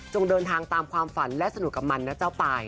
เดินทางตามความฝันและสนุกกับมันนะเจ้าป่าย